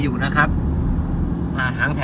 โอ้โหโอ้โหโอ้โหโอ้โหโอ้โหโอ้โห